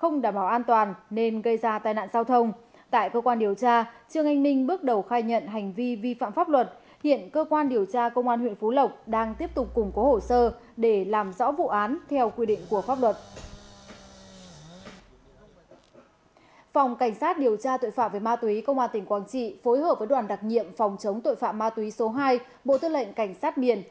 phòng cảnh sát điều tra tội phạm về ma túy công an tỉnh quang trị phối hợp với đoàn đặc nhiệm phòng chống tội phạm ma túy số hai bộ tư lệnh cảnh sát biển